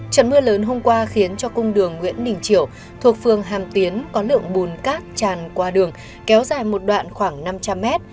trận mưa lớn hôm qua khiến cho cung đường nguyễn đình triều thuộc phường hàm tiến có lượng bùn cát tràn qua đường kéo dài một đoạn khoảng năm trăm linh mét